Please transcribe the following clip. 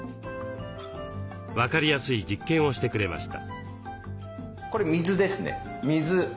分かりやすい実験をしてくれました。